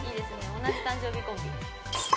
同じ誕生日コンビ。